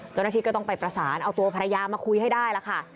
เจ้าหน้าที่ก็ต้องไปประสานเอาตัวภรรยามาคุยให้ได้ล่ะค่ะ